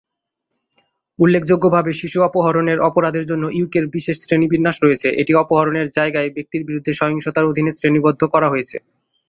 উল্লেখযোগ্যভাবে, শিশু অপহরণের অপরাধের জন্য ইউকে-র বিশেষ শ্রেণীবিন্যাস রয়েছে, এটি অপহরণের জায়গায় ব্যক্তির বিরুদ্ধে সহিংসতার অধীনে শ্রেণীবদ্ধ করা হয়েছে।